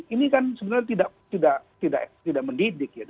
ini kan sebenarnya tidak mendidik ya